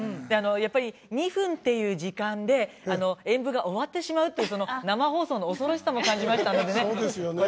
やっぱり、２分という時間で演舞が終わってしまうという生放送の恐ろしさも感じましたので。